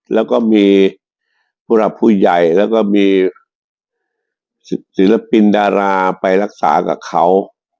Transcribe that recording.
แล้วก็มีผู้รับผู้ใหญ่แล้วก็มีศิลปินดาราไปรักษากับเขา